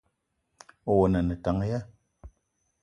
Owono a ne tank ya ?